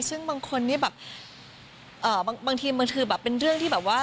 ซึ่งบางคนนี่แบบบางทีมันคือแบบเป็นเรื่องที่แบบว่า